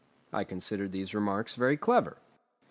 I considered these remarks very clever.